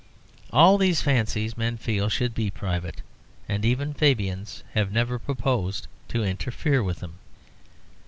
All these fancies men feel should be private; and even Fabians have never proposed to interfere with them.